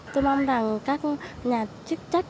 tôi mong rằng các nhà chức trách